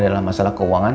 dalam masalah keuangan